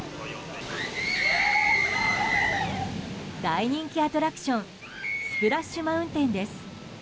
大人気アトラクションスプラッシュ・マウンテンです。